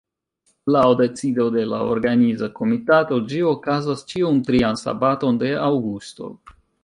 Laŭ decido de la Organiza Komitato ĝi okazas ĉiun trian sabaton de aŭgusto.